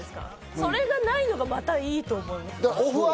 それがないのがまたいいと思います。